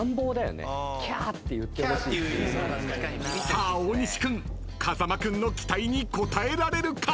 ［さあ大西君風間君の期待に応えられるか？］